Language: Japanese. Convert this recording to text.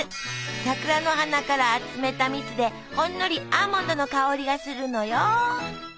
桜の花から集めたみつでほんのりアーモンドの香りがするのよ。